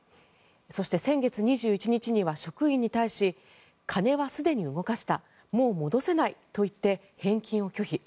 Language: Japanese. そして先月２１日には職員に対し金はすでに動かしたもう戻せないと言って返金を拒否。